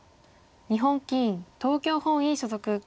日本棋院東京本院所属。